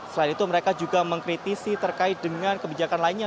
selain itu mereka juga mengkritisi terkait dengan kebijakan lainnya